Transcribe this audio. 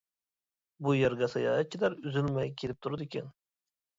بۇ يەرگە ساياھەتچىلەر ئۈزۈلمەي كېلىپ تۇرىدىكەن.